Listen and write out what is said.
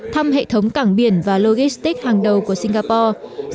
thăm hệ thống cảng biển và logistic hàng đầu của singapore